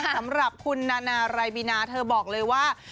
สำหรับคุณนานารายบินาเธอบอกเลยว่า